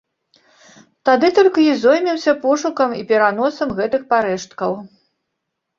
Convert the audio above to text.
Тады толькі і зоймемся пошукам і пераносам гэтых парэшткаў.